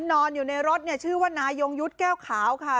นอนอยู่ในรถเนี่ยชื่อว่านายยงยุทธ์แก้วขาวค่ะ